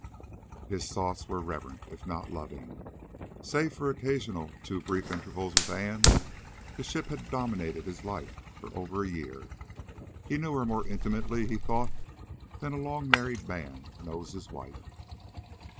His thoughts were reverent, if not loving. Save for occasional too brief intervals with Ann, the ship had dominated his life for over a year. He knew her more intimately, he thought, than a long married man knows his wife.